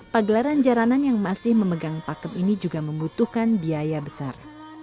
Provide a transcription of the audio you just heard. pagelaran jaranan yang masih memegang pakem ini juga membutuhkan biaya besar